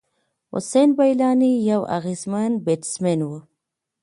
حسېن بلاڼي یو اغېزمن بېټسمېن وو.